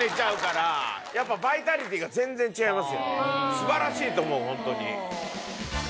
素晴らしいと思うホントに。